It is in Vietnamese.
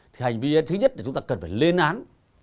thì hành vi thứ nhất là chúng ta cần phải lên án